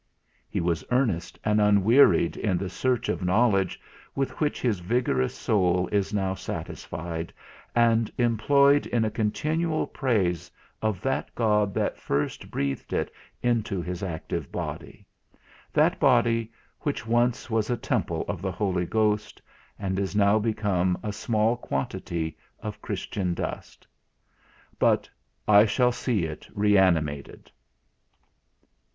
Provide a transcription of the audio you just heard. He was earnest and unwearied in the search of knowledge, with which his vigorous soul is now satisfied, and employed in a continual praise of that God that first breathed it into his active body: that body which once was a temple of the Holy Ghost, and is now become a small quantity of Christian dust: But I shall see it re animated.